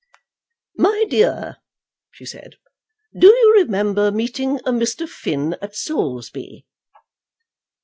"My dear," she said, "do you remember meeting a Mr. Finn at Saulsby?"